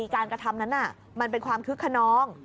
การกระทำนั้นมันเป็นความคึกขนอง